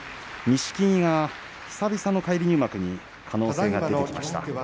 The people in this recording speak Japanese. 錦木が久々の返り入幕に可能性が出てきました。